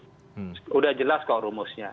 sudah jelas kok rumusnya